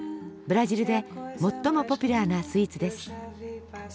ブラジルで最もポピュラーなスイーツです。